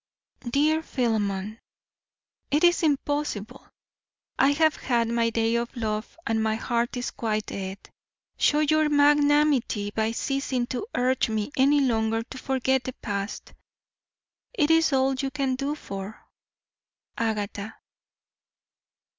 DEAR PHILEMON: It is impossible. I have had my day of love and my heart is quite dead. Show your magnanimity by ceasing to urge me any longer to forget the past. It is all you can do for AGATHA.